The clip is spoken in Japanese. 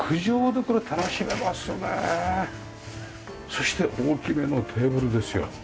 そして大きめのテーブルですよ。